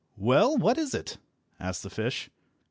"Well, what is it?" asked the fish.